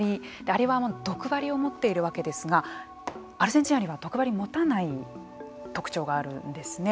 あれは毒針を持っているわけですがアルゼンチンアリは毒針を持たない特徴があるんですね。